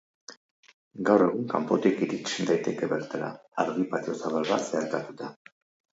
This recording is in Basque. Gaur egun, kanpotik irits daiteke bertara argi-patio zabal bat zeharkatuta.